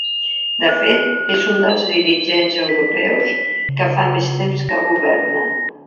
De fet, és un dels dirigents europeus que fa més temps que governa.